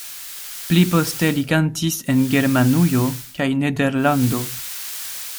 Pli poste li kantis en Germanujo kaj Nederlando.